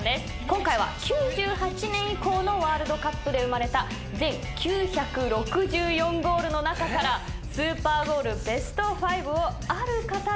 今回は９８年以降のワールドカップで生まれた全９６４ゴールの中からスーパーゴールベスト５をある方に選んでいただきました。